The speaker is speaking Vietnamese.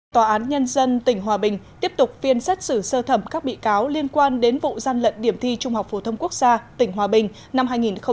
tòa án nhân dân tỉnh hòa bình tiếp tục phiên xét xử sơ thẩm các bị cáo liên quan đến vụ gian lận điểm thi trung học phổ thông quốc gia tỉnh hòa bình năm hai nghìn một mươi bảy hai nghìn một mươi tám